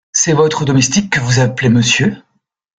C’est votre domestique que vous appelez "monsieur" ?